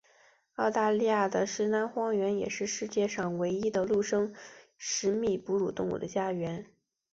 澳大利亚的石楠荒原也是世界上唯一的陆生食蜜哺乳动物的家园。